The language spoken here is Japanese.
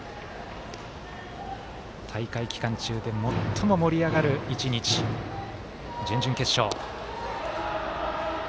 大会期間中で最も盛り上がる一日準々決勝。